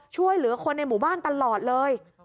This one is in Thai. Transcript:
ช่วยเหลือคนในหมู่บ้านตลอดเลย